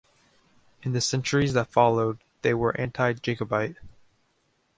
In the centuries that followed they were anti-Jacobite.